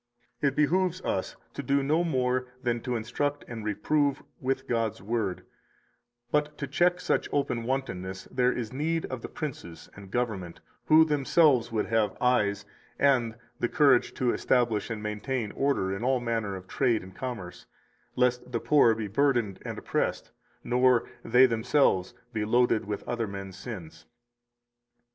249 It behooves us to do no more than to instruct and reprove with God's Word; but to check such open wantonness there is need of the princes and government, who themselves would have eyes and the courage to establish and maintain order in all manner of trade and commerce, lest the poor be burdened and oppressed nor they themselves be loaded with other men's sins.